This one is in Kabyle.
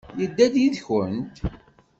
Yedda-d yid-kent?